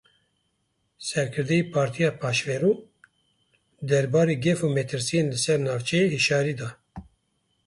Serkirdeyê Partiya Pêşverû derbarê gef û metirsiyên li ser navçeyê hişyarî da.